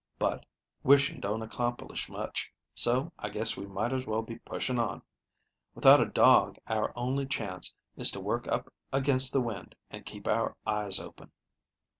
But, wishing don't accomplish much, so I guess we might as well be pushing on. Without a dog our only chance is to work up against the wind and keep our eyes open."